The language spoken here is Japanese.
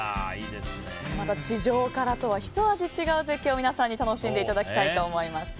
これまた地上からはひと味違う絶景を皆さんに楽しんでいただきたいと思います。